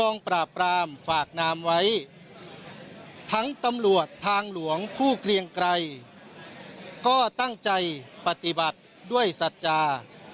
นามไว้ทั้งตำรวจทางหลวงผู้เคลียงไกลก็ตั้งใจปฏิบัติด้วยศัตริยา